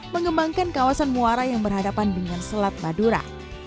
mengembangkan kawasan muara yang berhadapan dengan selat madura